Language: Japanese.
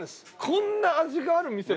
こんな味がある店